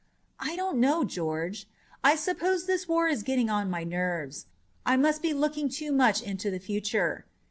"I don't know, George. I suppose this war is getting on my nerves. I must be looking too much into the future.